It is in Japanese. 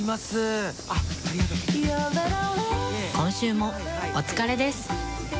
今週もお疲れです。